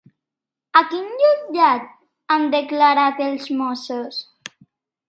A quin jutjat han declarat els Mossos?